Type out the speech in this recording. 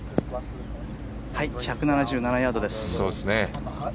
１７７ヤードです。